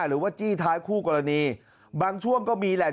หรือว่าจี้ท้ายคู่กรณีบางช่วงก็มีแหละ